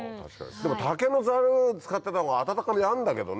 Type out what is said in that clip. でも竹のザル使ってたほうが温かみあるんだけどね。